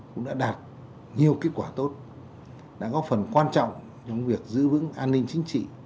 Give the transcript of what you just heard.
cũng đã đạt nhiều kết quả tốt đã góp phần quan trọng trong việc giữ vững an ninh chính trị